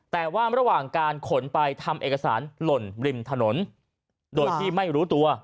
แต่ว่าระหว่างการขนไปทำเอกสารหล่นริมถนนโดยที่ไม่รู้ตัว